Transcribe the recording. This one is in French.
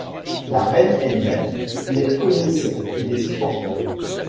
la reine elle-même les connaissait et les supportait !